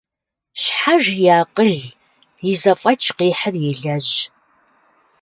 Щхьэж и акъыл, и зэфӀэкӀ къихьыр елэжь.